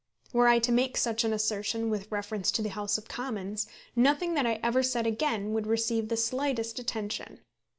Were I to make such an assertion with reference to the House of Commons, nothing that I ever said again would receive the slightest attention.